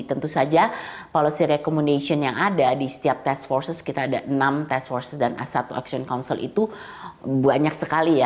tentu saja policy recommendation yang ada di setiap task forces kita ada enam task forces dan satu action council itu banyak sekali ya